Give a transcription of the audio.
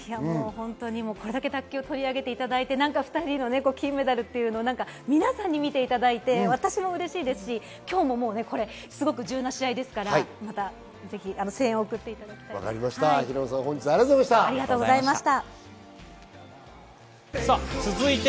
これだけ卓球を取り上げていただいて、２人の金メダルを皆さんに見ていただいて、私も嬉しいですし、今日もすごく重要な試合ですから、またぜひ声援を送っていただきた平野さん、ありがとうございました。